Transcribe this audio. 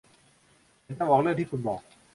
ฉันจะบอกเธอเรื่องที่คุณบอก